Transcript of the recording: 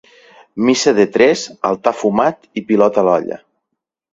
Missa de tres, altar fumat i pilota a l'olla.